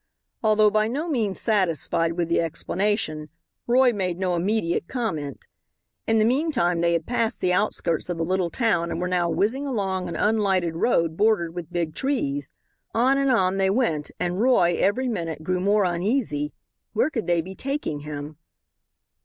Although by no means satisfied with the explanation, Roy made no immediate comment. In the meantime they had passed the outskirts of the little town and were now whizzing along an unlighted road bordered with big trees. On and on they went, and Roy, every minute, grew more uneasy. Where could they be taking him?